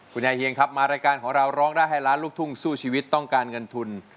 คุณยายเฮียงครับมารายการของเราร้องได้ให้ล้านลูกทุ่งสู้ชีวิตต้องการเงินทุน